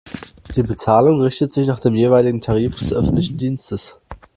Die Bezahlung richtet sich nach dem jeweiligen Tarif des öffentlichen Dienstes.